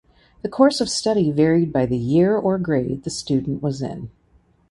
The course of study varied by the year or grade the student was in.